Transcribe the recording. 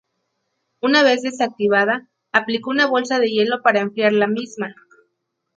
Una vez desactivada, aplicó una bolsa de hielo para enfriar la misma.